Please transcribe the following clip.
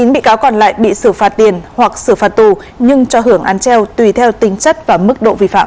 chín bị cáo còn lại bị xử phạt tiền hoặc xử phạt tù nhưng cho hưởng án treo tùy theo tính chất và mức độ vi phạm